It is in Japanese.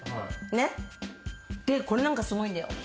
これなんかすごいんだよ。